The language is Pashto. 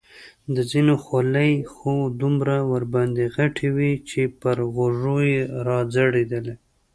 د ځینو خولۍ خو دومره ورباندې غټې وې چې پر غوږو یې را ځړېدلې.